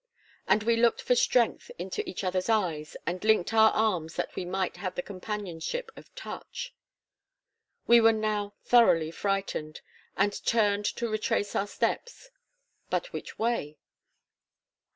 And we looked for strength into each other's eyes and linked our arms that we might have the companionship of touch. We were now thoroughly frightened, and turned to retrace our steps; but which way?